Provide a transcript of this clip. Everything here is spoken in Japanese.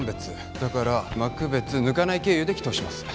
だから幕別糠内経由で帰投します。